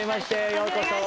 ようこそ。